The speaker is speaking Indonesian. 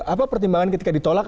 apa pertimbangan ketika ditolak